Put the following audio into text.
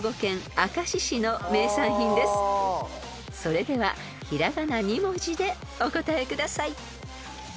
［それでは平仮名２文字でお答えください］